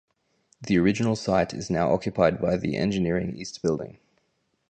The original site is now occupied by the Engineering East building.